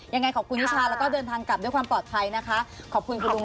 ยังไงขอบคุณนิชาแล้วก็เดินทางกลับด้วยความปลอดภัยนะคะขอบคุณคุณลุง